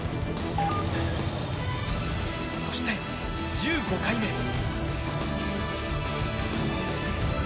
そして１５回目。